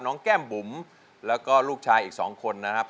แก้มบุ๋มแล้วก็ลูกชายอีก๒คนนะครับ